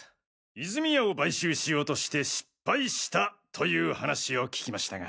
泉谷を買収しようとして失敗したという話を聞きましたが。